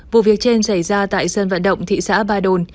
vụ việc trên xảy ra tại sân vận động thị xã ba đồn